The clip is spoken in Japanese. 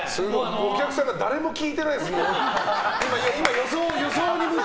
お客さんが誰も聞いてないですね。